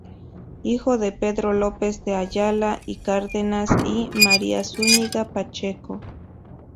Hijo de Pedro López de Ayala y Cárdenas y María Zúñiga Pacheco.